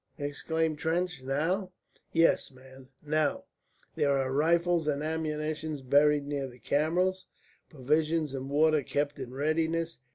exclaimed Trench. "Now?" "Yes, man, now. There are rifles and ammunition buried near the camels, provisions and water kept in readiness.